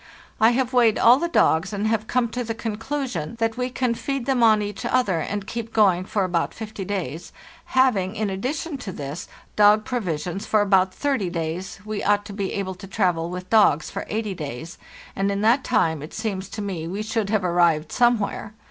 "T have weighed all the dogs and have come to the conclusion that we can feed them on each other and keep going for about fifty days; having, in addition to this, dog provisions for about thirty days, we ought to be able to travel with dogs for eighty days, and in that time it seems to me we should have arrived somewhere.